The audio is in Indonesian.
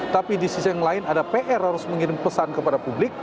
tapi di sisi yang lain ada pr harus mengirim pesan kepada publik